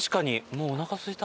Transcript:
もうおなかすいた。